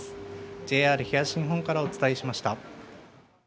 ＪＲ東日本からお伝えしました。